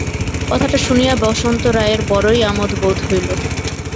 কথাটা শুনিয়া বসন্ত রায়ের বড়োই আমোদ বোধ হইল।